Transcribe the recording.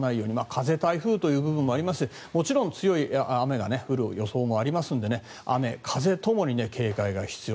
風台風という部分もありますしもちろん強い雨が降る予想もありますので雨風ともに警戒が必要